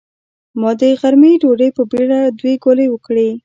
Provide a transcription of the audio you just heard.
ما د غرمۍ ډوډۍ په بېړه دوې ګولې وکړې.